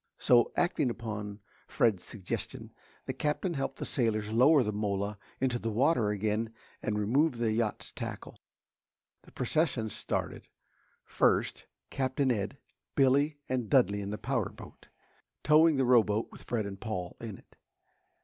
So, acting upon Fred's suggestion, the Captain helped the sailors lower the mola into the water again and remove the yacht's tackle. The procession started: first, Captain Ed, Billy and Dudley in the power boat, towing the rowboat with Fred and Paul in it.